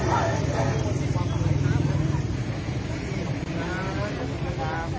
ที่ศาล